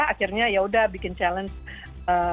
akhirnya ya udah bikin challenge